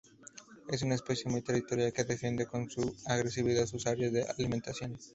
Es una especie muy territorial, que defiende con agresividad sus áreas de alimentación.